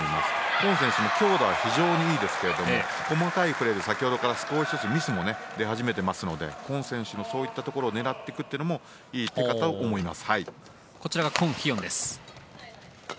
コン選手も強打は非常にいいですが細かいプレーで先ほどからミスも出始めていますのでコン選手のそういったところを狙っていくのもいいかと思います。